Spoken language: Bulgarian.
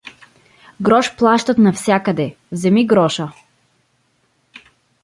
Грош плащат навсякъде… Вземи гроша.